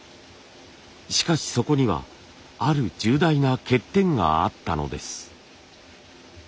しかしそこにはある重大な欠点があったのです。